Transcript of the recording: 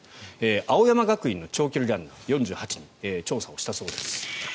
青山学院の長距離ランナー４８人調査をしたそうです。